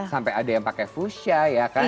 sampai ada yang pakai fusha ya kan